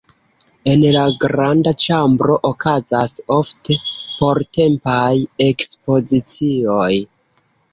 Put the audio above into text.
En la granda ĉambro okazas ofte portempaj ekspozicioj.